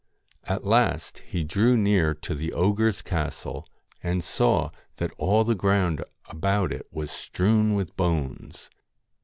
At last he drew near to the ogre's castle, and saw that all the ground about it was strewn with bones.